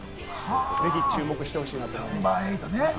ぜひ注目してほしいなと思います。